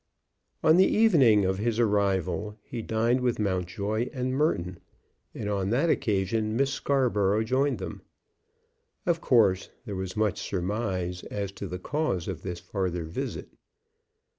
On the evening of his arrival he dined with Mountjoy and Merton, and on that occasion Miss Scarborough joined them. Of course there was much surmise as to the cause of this farther visit.